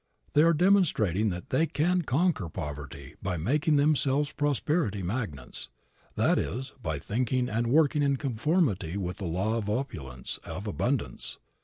They are demonstrating that they can conquer poverty by making themselves prosperity magnets; that is, by thinking and working in conformity with the law of opulence, of abundance.